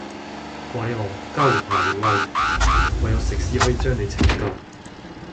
話你戇鳩怕你嬲，唯有食屎可以將你拯救